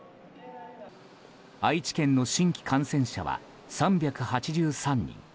愛知県の新規感染者は３８３人。